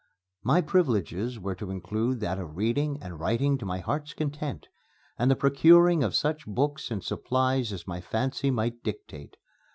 My privileges were to include that of reading and writing to my heart's content, and the procuring of such books and supplies as my fancy might dictate.